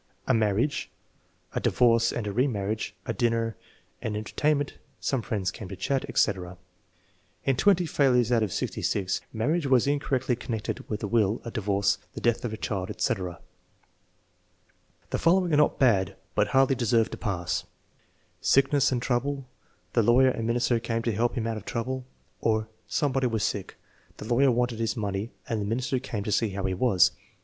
"A mar riage"; "A divorce and a remarriage"; "A dinner"; "An enter tainment"; "Some friends came to chat," etc. In failures out of 66, marriage was incorrectly connected with a will, a divorce, the death of a child, etc. The following are not bad, but hardly deserve to pass: "Sick ness and trouble; the lawyer and minister came to help him out of trouble." Or, "Somebody was sick; the lawyer wanted his money and the minister came to see how he was."